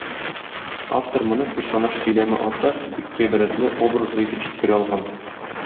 Автор моны, персонаж сөйләме аша, бик гыйбрәтле, образлы итеп җиткерә алган.